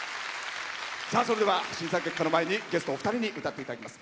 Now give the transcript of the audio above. それでは審査結果の前にゲストお二人に歌っていただきます。